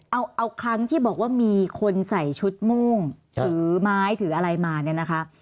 เอาครั้งที่บอกว่ามีคนใส่ชุดม่วงถือไม้ถืออะไรมาเนี่ยนะคะ